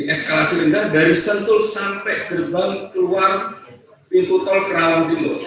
eskalasi rendah dari sentul sampai gerbang keluar pintu tol kerawang timur